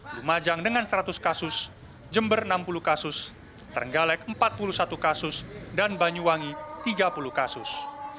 lumajang dengan seratus kasus jember enam puluh kasus terenggalek empat puluh satu kasus dan banyuwangi tiga puluh kasus